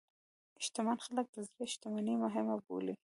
شتمن خلک د زړه شتمني مهمه بولي.